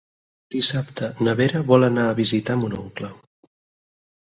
Dissabte na Vera vol anar a visitar mon oncle.